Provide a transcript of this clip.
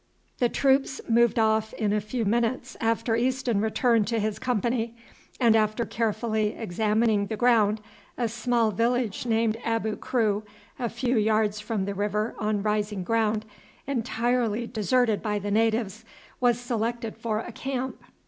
The troops moved off in a few minutes after Easton returned to his company, and after carefully examining the ground a small village named Abu Kru, a few yards from the river on rising ground, entirely deserted by the natives, was selected for a camp.